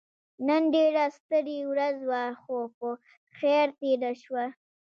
نن ډيره ستړې ورځ وه خو په خير تيره شوه.